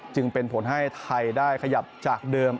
จึงเป็นผลให้ไทยได้ขยับจากเดิม